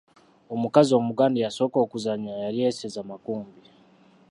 Omukazi omuganda eyasooka okuzannya yali Eseza Makumbi.